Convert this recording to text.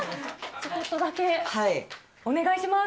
ちょこっとだけお願いします。